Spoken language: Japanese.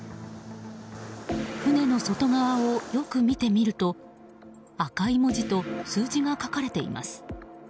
船の外側をよく見てみると赤い文字と数字が書かれています。